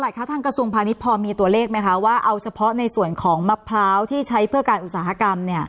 คะทางกระทรวงพาณิชย์พอมีตัวเลขไหมคะว่าเอาเฉพาะในส่วนของมะพร้าวที่ใช้เพื่อการอุตสาหกรรมเนี่ย